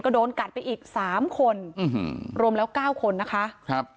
ก็โดนกัดไปอีกสามคนอืมรวมแล้วเก้าคนนะคะครับ